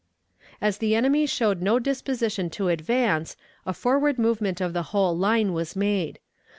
As the enemy showed no disposition to advance, a forward movement of the whole line was made.